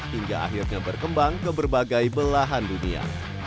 hingga akhirnya berkembang ke berbagai belahan dunia